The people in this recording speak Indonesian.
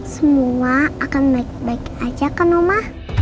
semua akan baik baik aja kan oma